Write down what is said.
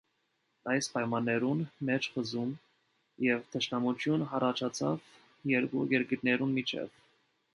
Այս պայմաններուն մէջ խզում եւ թշնամութիւն յառաջացաւ երկու երկիրներուն միջեւ։